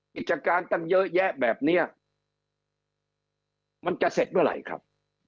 กฎจักรการตั้งเยอะแยะแบบเนี้ยมันจะเสร็จเวลาไรครับ